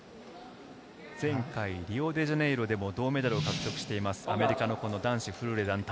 前回、リオデジャネイロでも銅メダルを獲得しています、アメリカの男子フルーレ団体。